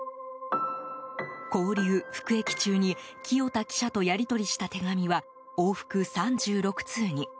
勾留・服役中に清田記者とやり取りした手紙は往復３６通に。